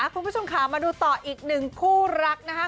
คุณผู้ชมค่ะมาดูต่ออีกหนึ่งคู่รักนะคะ